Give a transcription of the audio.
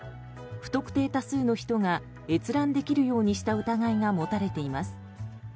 不特定多数の人が閲覧できるようにした疑いが持たれています。